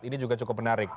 ini juga cukup menarik